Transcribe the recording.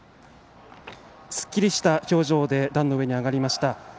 すっきりした表情で段の上に上がりました。